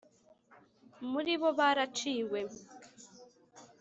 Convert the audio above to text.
muri bo baraciwe.